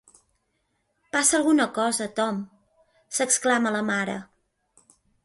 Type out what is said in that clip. Passa alguna cosa, Tom —s'exclama la mare—.